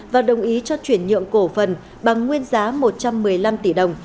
và đồng ý cho chuyển nhượng cổ phần bằng nguyên giá một trăm một mươi năm tỷ đồng